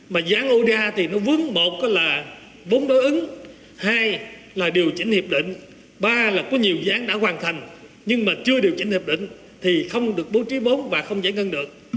mà dán oda thì nó vướng một là vốn đối ứng hai là điều chỉnh hiệp định ba là có nhiều dự án đã hoàn thành nhưng mà chưa điều chỉnh hiệp định thì không được bố trí vốn và không giải ngân được